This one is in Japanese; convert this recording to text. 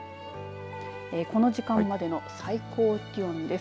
この時間までの間最高気温です。